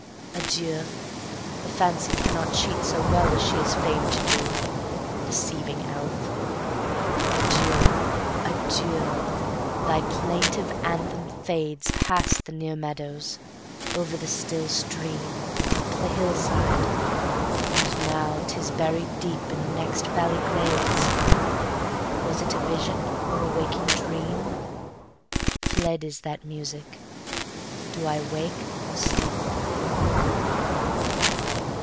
Adieu! the fancy cannot cheat so wellAs she is fam'd to do, deceiving elf. Adieu! adieu! thy plaintive anthem fadesPast the near meadows, over the still stream, Up the hill side; and now 'tis buried deepIn the next valley glades:Was it a vision, or a waking dream? Fled is that music:—Do I wake or sleep?